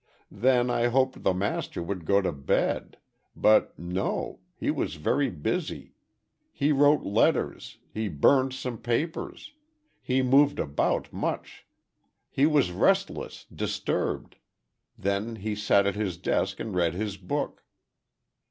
Then I hoped the master would go to bed. But, no—he was very busy. He wrote letters, he burned some papers, he moved about much. He was restless, disturbed. Then he sat at his desk and read his book."